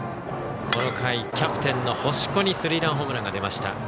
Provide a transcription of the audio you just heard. この回、キャプテンの星子にスリーランホームランが出ました。